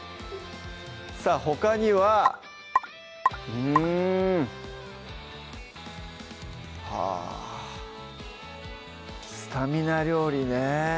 さぁほかにはうんはぁスタミナ料理ね